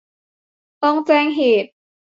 ต้องแจ้งเหตุ